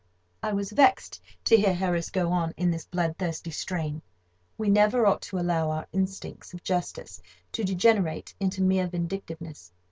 I was vexed to hear Harris go on in this blood thirsty strain. We never ought to allow our instincts of justice to degenerate into mere vindictiveness.